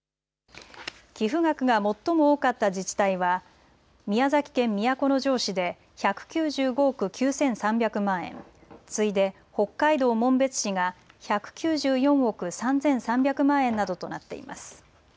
寄付額が最も多かった自治体は宮崎県都城市で１９５億９３００万円、次いで北海道紋別市が１９４億３３００万円などとなっています。